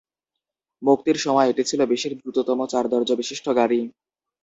মুক্তির সময় এটি ছিল বিশ্বের দ্রুততম চার দরজা বিশিষ্ট গাড়ি।